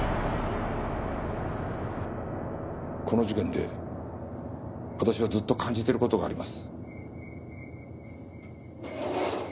この事件で私はずっと感じてる事があります。